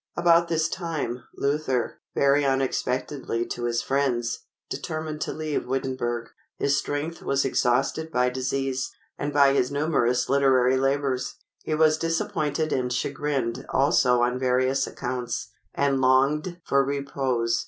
About this time, Luther, very unexpectedly to his friends, determined to leave Wittenberg. His strength was exhausted by disease, and by his numerous literary labors. He was disappointed and chagrined also on various accounts, and longed for repose.